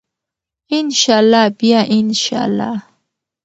ان شاء الله بیا ان شاء الله.